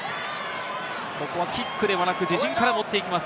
ここはキックではなく自陣から持っていきます。